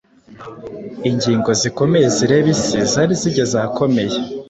Ingingo zikomeye zireba isi zari zigeze ahakomeye.